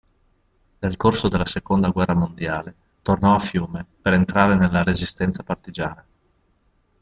Nel corso della seconda guerra mondiale, tornò a Fiume per entrare nella resistenza partigiana.